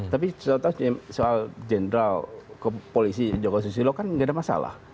tapi contoh contoh soal jenderal ke polisi joko susilo kan nggak ada masalah